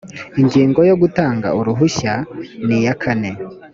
ingingo ya gutanga uruhushya ni iya kane